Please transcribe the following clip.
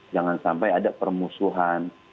jangan sampai ada permusuhan